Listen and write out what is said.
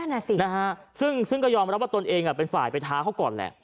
อ่ะสินะฮะซึ่งก็ยอมรับว่าตนเองเป็นฝ่ายไปท้าเขาก่อนแหละ